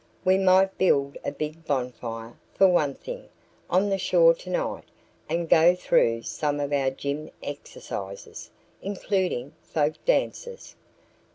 "We might build a big bonfire, for one thing, on the shore tonight and go through some of our gym exercises, including folk dances."